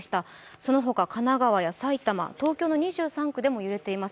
そのほか神奈川や埼玉、東京２３区でも揺れています。